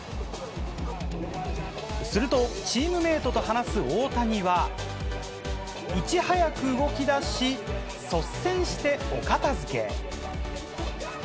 するとチームメートと話す大谷はいち早く動き出し率先してお片付け。